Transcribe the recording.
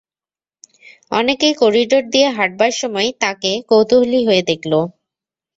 অনেকেই করিডোর দিয়ে হাঁটবার সময় তাঁকে কৌতূহলী হয়ে দেখল।